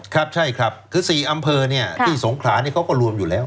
ครับใช่ครับคือ๔อำเภอที่สงขลานี่เขาก็รวมอยู่แล้ว